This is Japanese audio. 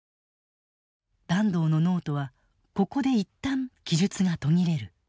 團藤のノートはここで一旦記述が途切れる。